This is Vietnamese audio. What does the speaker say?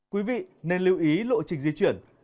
quý vị nên lưu ý lộ trình di chuyển